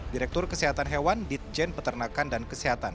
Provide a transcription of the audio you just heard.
direktur kesehatan hewan ditjen peternakan dan kesehatan